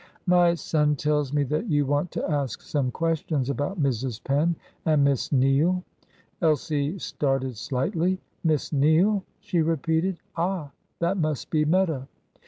"My son tells me that you want to ask some questions about Mrs. Penn and Miss Neale." Elsie started slightly. "Miss Neale?" she repeated. "Ah, that must be Meta."